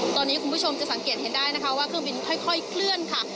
ตอนนี้คุณผู้ชมจะสังเกตเห็นได้นะคะว่าเครื่องบินค่อยเคลื่อนค่ะ